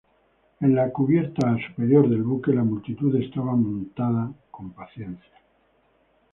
En la cubierta superior del buque la multitud estaba montada con paciencia.